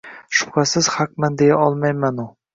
Shubhasiz haqman deya olmaymanu